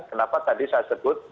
kenapa tadi saya sebut